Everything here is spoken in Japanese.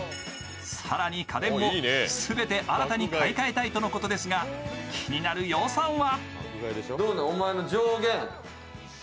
更に家電も全て新たに買い換えたいとのことですが、気になる予算は？